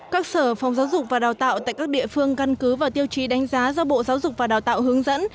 các sở phòng giáo dục và đào tạo tại các địa phương căn cứ vào tiêu chí đánh giá do bộ giáo dục và đào tạo hướng dẫn